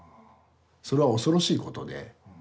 それは恐ろしいことで。